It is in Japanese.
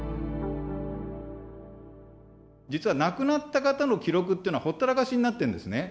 実は亡くなった方の記録っていうのはほったらかしになってるんですね。